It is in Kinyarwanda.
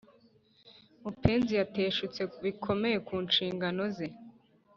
Mupenzi yateshutse bikomeye ku nshingano ze